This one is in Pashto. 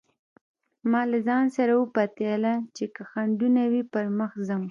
ما له ځانه سره وپتېيله چې که خنډونه وي پر مخ ځم.